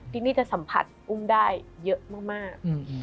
ที่นี่จะสัมผัสอุ้มได้เยอะมาก